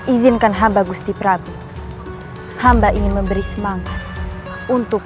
izinkan hamba gusti prabu hamba ingin memberi semangat untuk